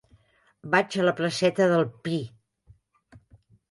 Vaig a la placeta del Pi.